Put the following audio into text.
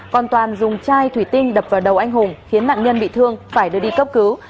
còn toàn dùng chai thủy tinh đập vào đầu anh hùng khiến nạn nhân bị thương phải đưa đi cấp cứu